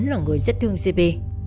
là người rất thương giê bê